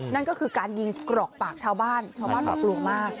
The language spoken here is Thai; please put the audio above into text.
นั่นก็คือการยิงกรอกปากชาวบ้านชาวบ้านบอกกลัวมาก